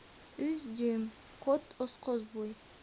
Өс дюйм — ҡот осҡос буй!